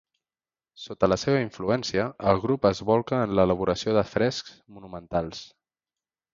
Sota la seva influència, el grup es bolca en l'elaboració de frescs monumentals.